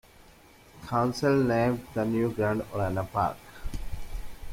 Council named the new ground, 'Orana Park'.